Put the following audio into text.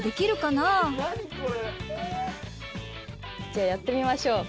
じゃあやってみましょう。